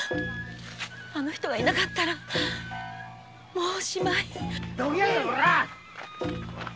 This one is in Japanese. あの人がいなければもうおしまい。